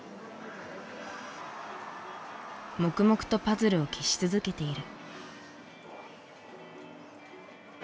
黙々とパズルを消し続けている。